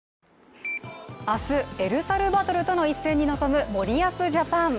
明日、エルサルバドルとの一戦に臨む森保ジャパン。